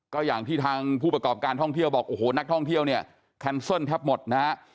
ก็อย่างที่ทางผู้ประกอบการท่องเที่ยวบอกโอ้โหนักท่องเที่ยวเนี่ยแคนเซิลแทบหมดนะฮะ